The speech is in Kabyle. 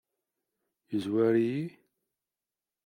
Yezwar-iyi?